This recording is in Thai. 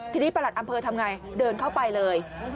ทีนี้ประหลัดอำเภอทำไงเดินเข้าไปเลย